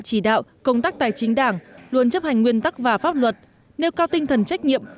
chỉ đạo công tác tài chính đảng luôn chấp hành nguyên tắc và pháp luật nêu cao tinh thần trách nhiệm